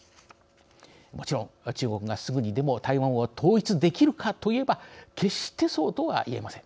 もちろん中国がすぐにでも台湾を統一できるかといえば決してそうとは言えません。